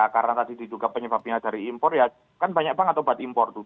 karena tadi diduga penyebabnya dari impor ya kan banyak banget obat impor tuh